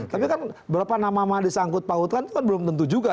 tapi kan berapa nama nama disangkut pautkan itu kan belum tentu juga